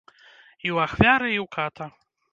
І ў ахвяры, і ў ката.